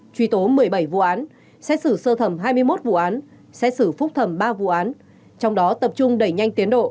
truy tố một mươi bảy vụ án xét xử sơ thẩm hai mươi một vụ án xét xử phúc thẩm ba vụ án trong đó tập trung đẩy nhanh tiến độ